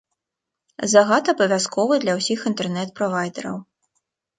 Загад абавязковы для ўсіх інтэрнэт-правайдэраў.